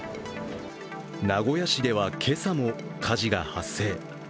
名古屋市では今朝も火事が発生。